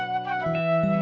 kamu juga sama